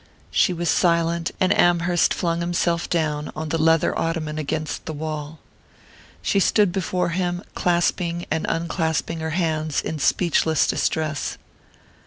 She was silent, and Amherst flung himself down on the leather ottoman against the wall. She stood before him, clasping and unclasping her hands in speechless distress.